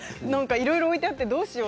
いろいろ置いてあってどうしよう。